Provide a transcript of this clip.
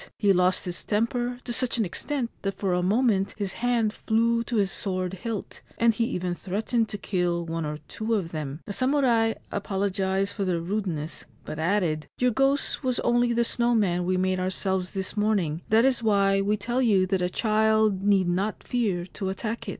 He lost his temper to such an extent that for a moment his hand flew to his sword hilt, and he even threatened to kill one or two of them. The samurai apologised for their rudeness, but added :' Your ghost was only the snow man we made ourselves this morning. That is why we tell you that a child need not fear to attack it.'